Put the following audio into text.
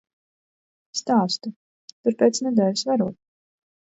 Stāstu, tur pēc nedēļas varot.